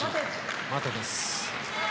待てです。